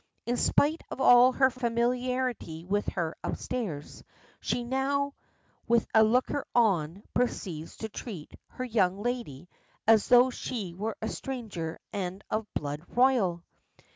In spite of all her familiarity with her upstairs, she now, with a looker on, proceeds to treat "her young lady" as though she were a stranger and of blood royal.